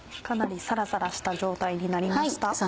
かなりサラサラした状態になりました。